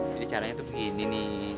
jadi caranya tuh begini nih